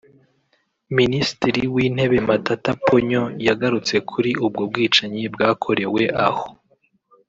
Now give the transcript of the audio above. Minisitiri w’Intebe Matata Ponyo yagarutse kuri ubwo bwicanyi bwakorewe aho